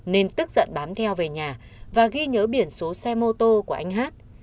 nên tức giận bám theo về nhà và ghi nhớ biển số xe mô tô của anh hát